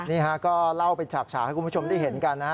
นี่ฮะก็เล่าเป็นฉากฉากให้คุณผู้ชมได้เห็นกันนะฮะ